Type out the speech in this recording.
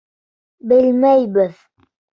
Белмәйбеҙ!